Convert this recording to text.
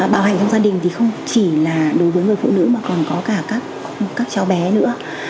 bạo hành trong gia đình thì không chỉ là đối với người phụ nữ mà còn có cả các cháu bé nữa